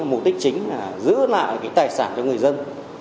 mục đích chính là giữ lại tài sản cho người dân